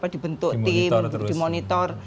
dibentuk tim dimonitor